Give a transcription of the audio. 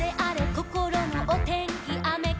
こころのおてんきあめかな？」